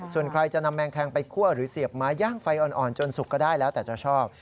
ส่วนใครจะนำแมงแคงไปคั่วหรือเสียบไม้ย่างไฟอ่อนจนสุกก็ได้แล้วแต่จะชอบ